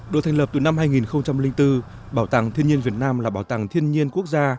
được thành lập từ năm hai nghìn bốn bảo tàng thiên nhiên việt nam là bảo tàng thiên nhiên quốc gia